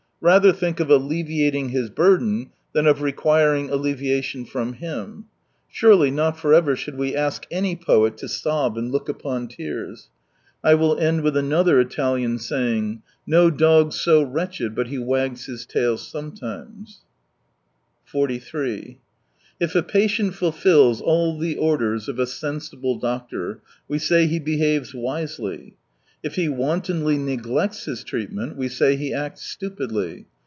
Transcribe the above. Rather think of alleviating his burden than of requiring alleviatipn from him. Surely not for ever should we ask any poet to sob and look upon tears. I will end with another Italian saying : Non e un si triste cane che non meni la coda. ..." No dog so wretched but he wags his tail sometimes." 43 If a patient fulfils all the orders of a sensible doctor, we say he behaves wisely. If he wantonly neglects his treatment, we say he acts stupidly.